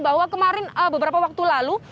bahwa kemarin beberapa waktu lalu